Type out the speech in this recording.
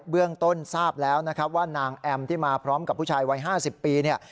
เบื้องต้นทราบแล้วว่านางแอมที่มาพร้อมกับผู้ชายวัย๕๐ปี